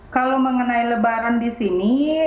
kalau mengenai lebaran di sini